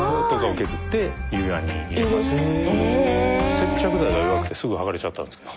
接着剤が弱くてすぐ剥がれちゃったんですけど。